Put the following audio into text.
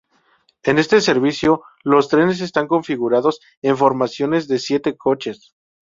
En este servicio, los trenes están configurados en formaciones de siete coches.